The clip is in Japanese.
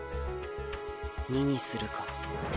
２にするか。